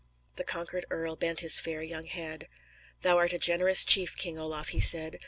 The conquered earl bent his fair young head. "Thou art a generous chief, King Olaf," he said.